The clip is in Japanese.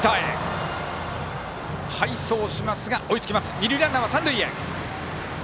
二塁ランナーは三塁へ。